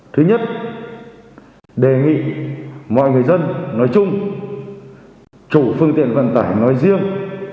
thứ nhất đề nghị mọi người dân nói chung chủ phương tiện vận tải nói riêng